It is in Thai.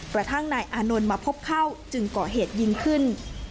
กระทั่งนายอานนท์มาพบเข้าจึงก่อเหตุยิงขึ้น